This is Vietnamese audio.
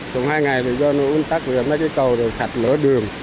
trong hai ngày do nó un tắt mấy cái cầu sạch lở đường